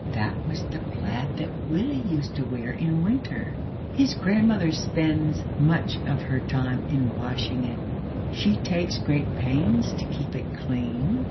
"That was the plaid that Willie used to wear in winter. His grandmother spends much of her time in washing it; she takes great pains to keep it clean.